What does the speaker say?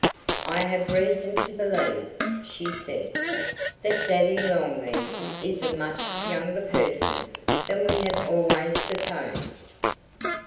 "I have reason to believe," she said "that Daddy Longlegs is a much younger person than we have always supposed."